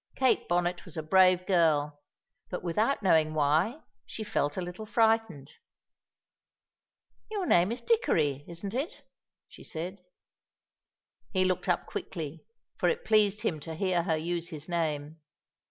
Kate Bonnet was a brave girl, but without knowing why she felt a little frightened. "Your name is Dickory, isn't it?" she said. He looked up quickly, for it pleased him to hear her use his name.